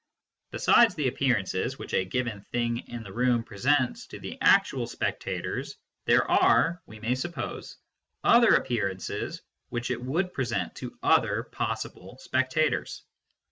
Besides the appear ances which a given thing in the room presents to the actual spectators, there are, we may suppose, other appearances which it would present to other possible spectators.